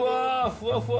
ふわふわ